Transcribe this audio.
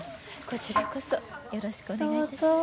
こちらこそよろしくお願いいたします。